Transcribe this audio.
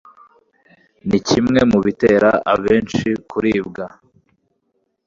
ni kimwe mu bitera abenshi kuribwa